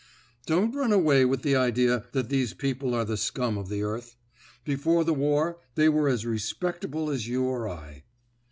Don't run away with the idea that these people are the scum of the earth; before the war they were as respectable as you or I.